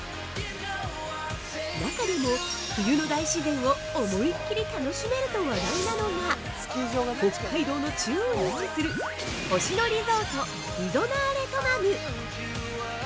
中でも、冬の大自然を思いっきり楽しめると話題なのが北海道の中央に位置する「星野リゾートリゾナーレトマム」。